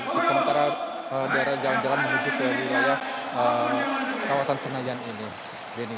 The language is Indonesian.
untuk sementara daerah jalan jalan menuju ke wilayah kawasan senayan ini